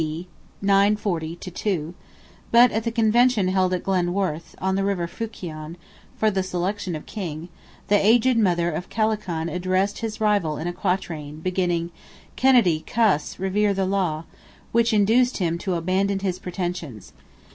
D. 940 2), but at the Convention held at Glanworth, on the river Funcheon, for the selection of king, the aged mother of Kellachan addressed his rival in a quatrain, beginning— "Kennedi Cas revere the law!" which induced him to abandon his pretensions.